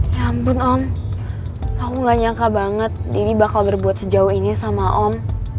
ya ampun om aku gak nyangka banget ini bakal berbuat sejauh ini sama om